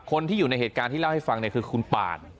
คนที่อยู่ในเหตุการณ์ที่เล่าให้ฟังเนี่ยคือคุณปาน